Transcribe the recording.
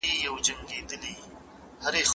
چې يـې رخصت لــه دروبام واخيستو